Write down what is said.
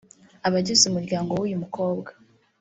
Abagize umuryango w’uyu mukobwa